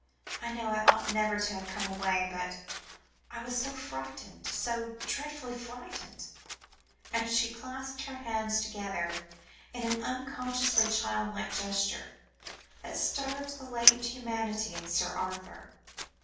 "I know I ought never to have come away, but I was so frightened, so dreadfully frightened," and she clasped her hands together, with an unconsciously childlike gesture, that stirred the latent humanity in Sir Arthur.